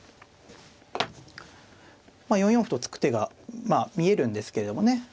まあ４四歩と突く手がまあ見えるんですけれどもね。